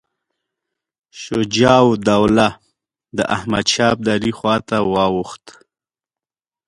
شجاع الدوله د احمدشاه ابدالي خواته واوښت.